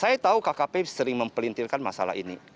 saya tahu kkp sering mempelintirkan masalah ini